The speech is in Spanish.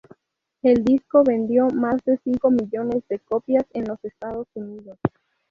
El disco vendió más de cinco millones de copias en los Estados Unidos.